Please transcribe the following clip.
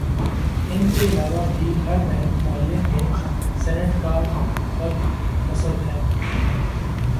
ان کے علاوہ بھی ہر محلے میں سینٹ کا بت نصب ہے